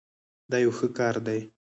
دا یو ښه کار دی.